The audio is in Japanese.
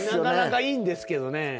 なかなかいいんですけどね。